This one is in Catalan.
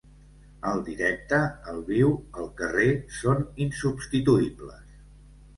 El directe, el viu, el carrer són insubstituïbles.